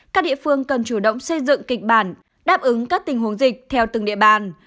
các địa phương cần chủ động xây dựng kịch bản đáp ứng các tình huống dịch theo từng địa bàn